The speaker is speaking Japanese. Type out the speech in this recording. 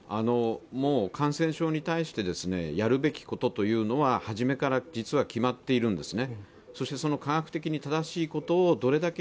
もう感染症に対してやるべきことというのは初めから実は決まっているんですね。